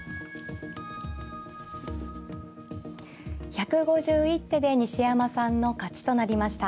１５１手で西山さんの勝ちとなりました。